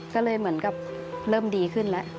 ก็เลยเหมือนกับเริ่มดีขึ้นแล้ว